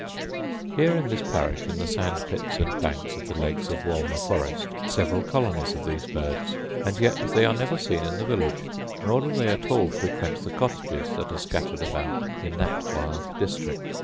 Here are in this parish, in the sand pits and banks of the lakes of Wolmer forest, several colonies of these birds; and yet they are never seen in the village; nor do they at all frequent the cottages that are scattered about in that wild district.